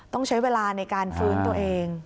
ต้องใช้เวลาในการฟื้นตัวเอง